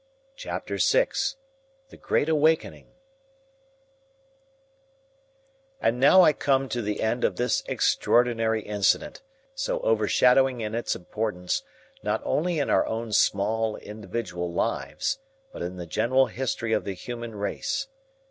Chapter VI THE GREAT AWAKENING And now I come to the end of this extraordinary incident, so overshadowing in its importance, not only in our own small, individual lives, but in the general history of the human race.